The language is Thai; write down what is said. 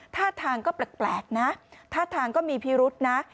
ท่าทางก็แปลกนะท่าทางก็มีพิรุษนะ